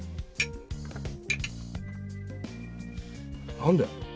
何で？